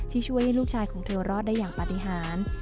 ช่วยให้ลูกชายของเธอรอดได้อย่างปฏิหาร